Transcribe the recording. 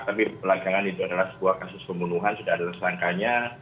tapi belakangan itu adalah sebuah kasus pembunuhan sudah ada tersangkanya